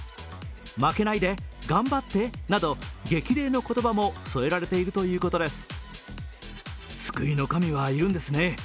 負けないで、頑張ってなど激励の言葉も添えられているということです。